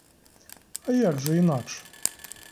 А як же інакше?!